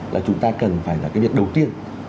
là chúng ta cần phải là cái việc đầu tiên